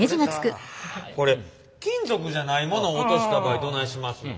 これ金属じゃないものを落とした場合どないしますの。